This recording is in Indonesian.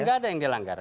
nggak ada yang dilanggar